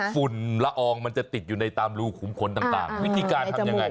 ฝุ่นละอองมันจะติดอยู่ในตามรูขุมขนต่างวิธีการทำยังไง